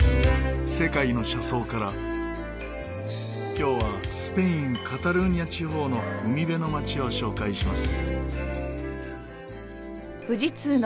今日はスペインカタルーニャ地方の海辺の街を紹介します。